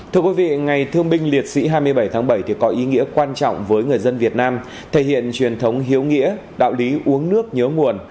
thưa quý vị ngày thương binh liệt sĩ hai mươi bảy tháng bảy có ý nghĩa quan trọng với người dân việt nam thể hiện truyền thống hiếu nghĩa đạo lý uống nước nhớ nguồn